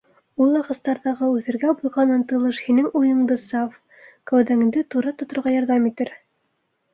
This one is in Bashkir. Ул ағастарҙағы үҫергә булған ынтылыш һинең уйынды саф, кәүҙәңде тура тоторға ярҙам итер.